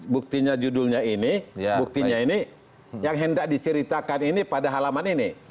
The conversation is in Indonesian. buktinya judulnya ini buktinya ini yang hendak diceritakan ini pada halaman ini